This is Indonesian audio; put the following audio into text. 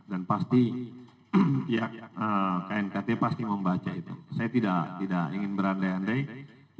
dan pasti pihak knkt pasti membaca itu saya tidak ingin berandai andai